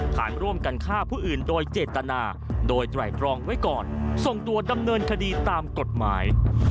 ฐานร่วมกันฆ่าผู้อื่นโดยเจตนาโดยไตรตรองไว้ก่อนส่งตัวดำเนินคดีตามกฎหมาย